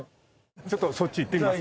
ちょっとそっち行ってみますか。